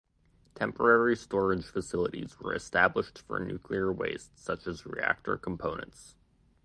Temporary storage facilities were established for nuclear waste such as reactor components.